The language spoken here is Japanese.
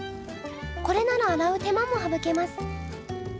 これなら洗う手間もはぶけます。